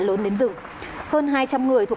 lớn đến rừng hơn hai trăm linh người thuộc